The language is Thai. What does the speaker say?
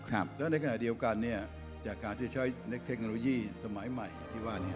แล้วในขณะเดียวกันเนี่ยจากการที่ใช้เทคโนโลยีสมัยใหม่ที่ว่านี้